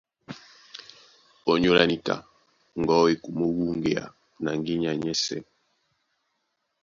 Ónyólá níka ŋgɔ̌ e kumó wúŋgea na ŋgínya nyɛ́sɛ̄.